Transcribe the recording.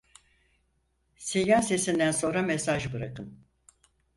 Sinyal sesinden sonra mesaj bırakın.